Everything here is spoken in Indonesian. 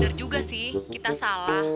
dengar juga sih kita salah